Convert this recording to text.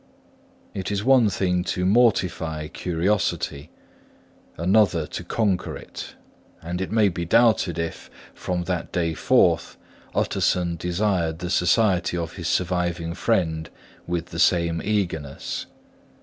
It is one thing to mortify curiosity, another to conquer it; and it may be doubted if, from that day forth, Utterson desired the society of his surviving friend with the same eagerness.